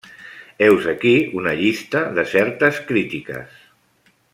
Heus aquí una llista de certes crítiques.